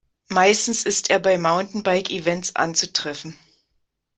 Meistens ist er bei Mountain-Bike-Events anzutreffen.